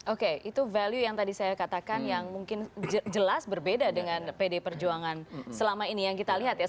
oke itu value yang tadi saya katakan yang mungkin jelas berbeda dengan pd perjuangan selama ini yang kita lihat ya